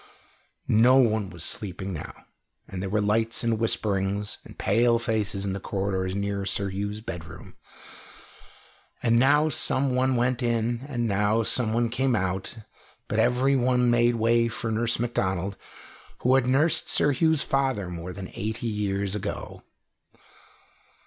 No one was sleeping now, and there were lights, and whisperings, and pale faces in the corridors near Sir Hugh's bedroom, and now some one went in, and now some one came out, but every one made way for Nurse Macdonald, who had nursed Sir Hugh's father more than eighty years ago.